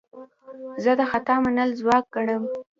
زه د خطا منل ځواک ګڼم.